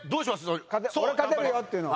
俺勝てるよ！っていうのは？